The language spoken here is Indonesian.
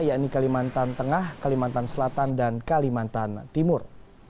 yakni kalimantan tengah kalimantan selatan dan kalimantan timur